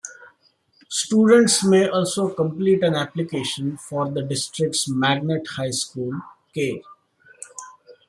Students may also complete an application for the district's magnet high school, Kerr.